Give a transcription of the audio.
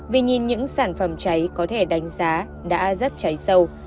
vì nhìn những sản phẩm cháy có thể đánh giá đã rất cháy sâu